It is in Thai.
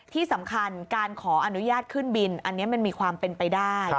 ที่สำคัญการขออนุญาตขึ้นบินอันนี้มันมีความเป็นไปได้